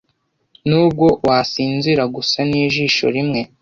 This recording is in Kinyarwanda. Nubwo wasinzira gusa nijisho rimwe